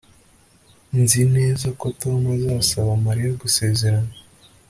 Nzi neza ko Tom azasaba Mariya gusezerana